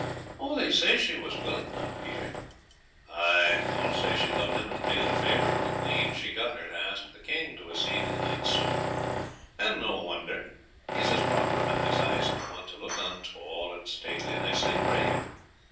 "They say she was willing enough, Peter." "Ay, ay, all say she loved him, and, being a favourite with the queen, she got her to ask the king to accede to the knight's suit; and no wonder, he is as proper a man as eyes can want to look on tall and stately, and they say brave.